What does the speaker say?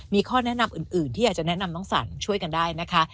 มีข้อแนะนำอื่นที่อยากจะแนะนำน้องสันช่วยกันได้นะคะ